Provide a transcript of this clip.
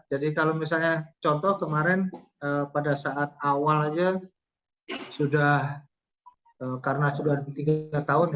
jadi kalau misalnya contoh kemarin pada saat awal aja sudah karena sudah tiga tahun ya